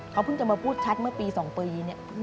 เขาเพิ่งจะมาพูดชัดเมื่อปี๒ปีเนี่ย